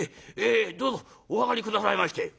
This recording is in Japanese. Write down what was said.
どうぞお上がり下さいまして」。